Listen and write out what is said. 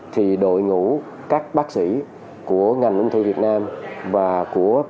thì đội ngũ các bác sĩ của ngành ung thư việt nam và của riêng của bệnh viện